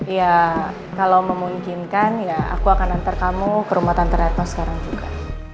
ya kalau memungkinkan ya aku akan antar kamu ke rumah tante retno sekarang juga